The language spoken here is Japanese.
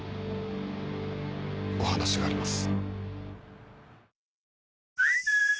お話があります。